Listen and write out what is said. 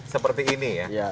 seperti ini ya